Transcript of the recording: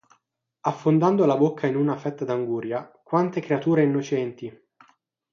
Affondando la bocca in una fetta d'anguria: – quante creature innocenti!